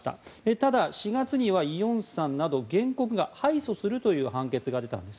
ただ、４月にはイ・ヨンスさんなど原告が敗訴するという判決が出たんです。